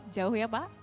jauh ya pak